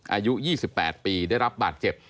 อายุ๒๘ปีได้รับบาดเจ็บ